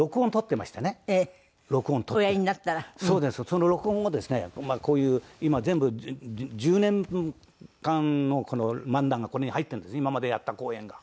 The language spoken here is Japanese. その録音をですねまあこういう今全部１０年間の漫談がこれに入ってるんです今までやった口演が。